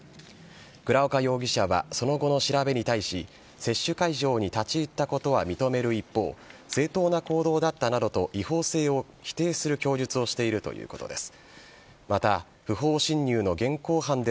倉岡容疑者はその後の調べに対し接種会場に立ち入ったことは認める一方正当な行動だったなどと違法性を否定する供述をしているということです。